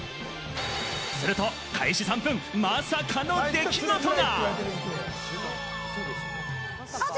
すると開始３分、まさかの出来事が！